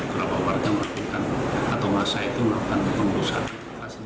berapa warga melakukan atau masa itu melakukan pemeriksaan